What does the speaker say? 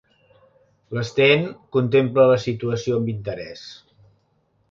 L'Sten contempla la situació amb interès.